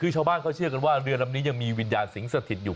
ชาวบ้านเขาเชื่อว่าเรือนนั้นมีวิญญาณสิงห์สถิตอยู่